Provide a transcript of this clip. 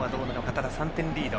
ただ、３点リード。